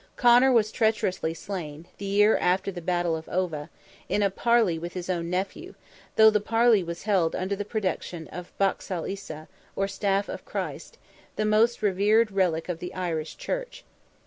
Conor was treacherously slain, the year after the battle of Ova, in a parley with his own nephew, though the parley was held under the protection of the Bachall Isa, or Staff, of Christ, the most revered relic of the Irish Church.